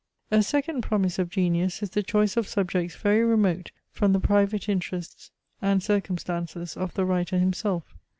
A second promise of genius is the choice of subjects very remote from the private interests and circumstances of the writer himself.